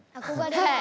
はい！